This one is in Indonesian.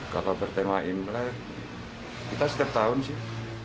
kalau bertema imlek kita setiap tahun sih